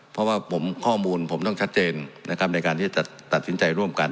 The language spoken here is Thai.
เพราะว่าข้อมูลผมต้องชัดเจนนะครับในการที่จะตัดสินใจร่วมกัน